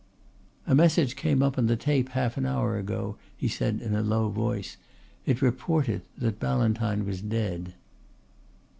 "A message came up on the tape half an hour ago," he said in a low voice. "It reported that Ballantyne was dead."